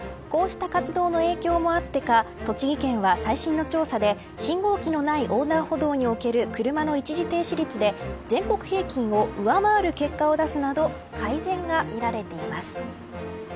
こうした活動の影響もあってか栃木県は最新の調査で信号機のない横断歩道における車の一時停止率で全国平均を上回る結果を出すなど改善がみられています。